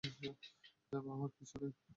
ভাবার কিছু নেই।